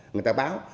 người ta báo